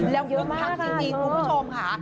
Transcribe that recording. แล้วคึกคักจริงคุณผู้ชมค่ะ